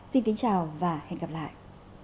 xin kính chào và hẹn gặp lại